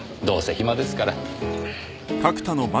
どうせ暇ですから。